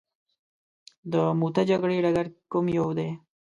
د موته جګړې ډګر کوم یو دی.